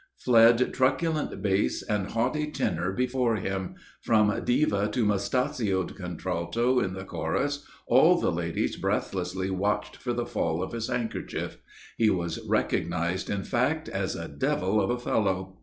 Fled truculent bass and haughty tenor before him; from diva to moustachioed contralto in the chorus, all the ladies breathlessly watched for the fall of his handkerchief; he was recognized, in fact, as a devil of a fellow.